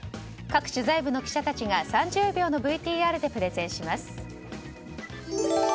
各取材部の記者たちが３０秒のＶＴＲでプレゼンします。